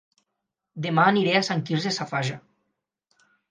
Dema aniré a Sant Quirze Safaja